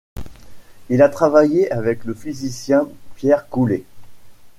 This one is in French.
Il a travaillé avec le physicien Pierre Coullet.